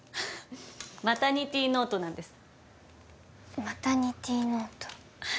マタニティーノートなんですマタニティーノート？